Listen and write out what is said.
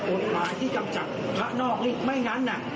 กฎหมายที่กำจัดพระนอกนี่ไม่งั้น